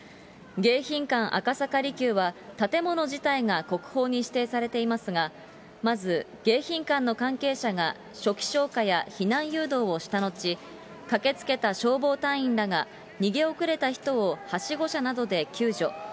迎賓館赤坂離宮は、建物自体が国宝に指定されていますが、まず迎賓館の関係者が、初期消火や避難誘導をしたのち、駆けつけた消防隊員らが逃げ遅れた人をはしご車などで救助。